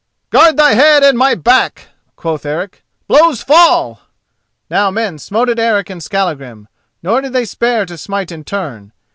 "Guard thy head and my back," quoth Eric; "blows fall!" Now men smote at Eric and Skallagrim, nor did they spare to smite in turn.